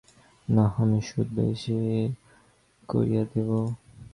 নাহয় আমি সুদ বেশি করিয়া দিব।